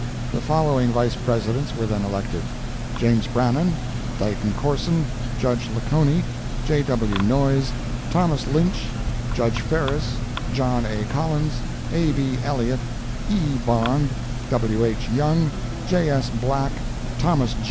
The following Vice Presidents were then elected: James Brannon, Dighton Corson, Judge Leconey, J. W. Noyes, Thos. Lynch, Judge Ferris, John A. Collins, A. B. Elliott, E. Bond, W. H. Young, J. S. Black, Thos.